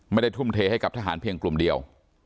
ไม่ได้ทุ่มเทให้กับทหารเพียงกลุ่มเดียว